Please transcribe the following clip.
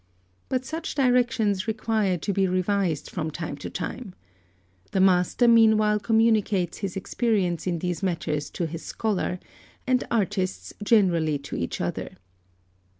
But such directions require to be revised from time to time. The master meanwhile communicates his experience in these matters to his scholar, and artists generally to each other.